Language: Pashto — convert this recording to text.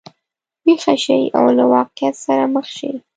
ویښه شي او له واقعیت سره مخ شي.